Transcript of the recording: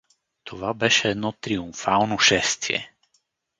Това беше едно триумфално шествие!